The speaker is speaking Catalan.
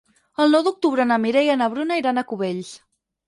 El nou d'octubre na Mireia i na Bruna iran a Cubells.